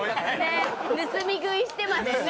ねっ盗み食いしてまでね